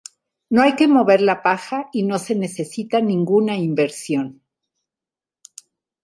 No hay que mover la paja y no se necesita ninguna inversión.